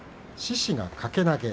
獅司が掛け投げ。